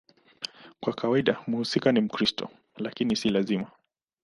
Kwa kawaida mhusika ni Mkristo, lakini si lazima.